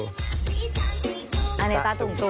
อันนี้ตะตูงตวง